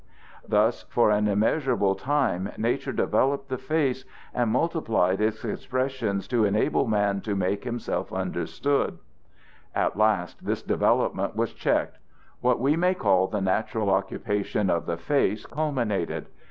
Thus for an immeasurable time nature developed the face and multiplied its expressions to enable man to make himself understood. At last this development was checked; what we may call the natural occupation of the face culminated.